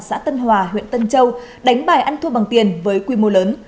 xã tân hòa huyện tân châu đánh bài ăn thua bằng tiền với quy mô lớn